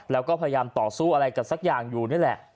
แล้วก็พยายามต่อสู้อะไรกันสักอย่างอยู่นี่แหละ